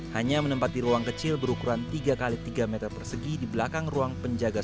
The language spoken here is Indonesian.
hanya menempati ruang kecil berukuran tiga x tiga meter persegi di belakang ruang penjaga